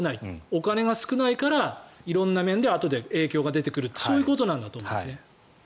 お金が少ないから色んな面であとで影響が出てくるそういうことなんだと思うんです。